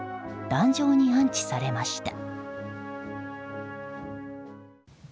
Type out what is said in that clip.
壇上に安置されました。